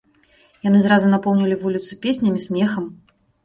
Яны зразу напоўнілі вуліцу песнямі, смехам.